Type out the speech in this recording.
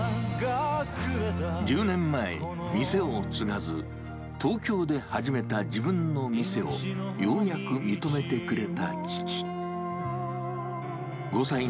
１０年前、店を継がず、東京で始めた自分の店をようやく認めてくれた父。